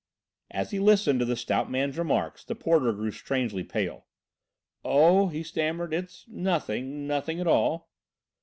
As he listened to the stout man's remarks the porter grew strangely pale. "Oh," he stammered, "it's nothing, nothing at all."